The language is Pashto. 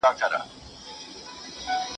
اسلام د بشر غوښتنې پوره کوي.